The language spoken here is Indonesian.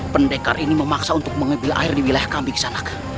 pendekar ini memaksa untuk mengebil air di wilayah kami kisanak